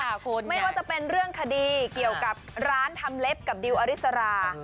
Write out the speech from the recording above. คุณไม่ว่าจะเป็นเรื่องคดีเกี่ยวกับร้านทำเล็บกับดิวอริสรา